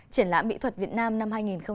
triển lãm mỹ thuật việt nam năm hai nghìn hai mươi